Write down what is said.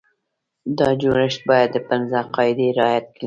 دا جوړښت باید دا پنځه قاعدې رعایت کړي.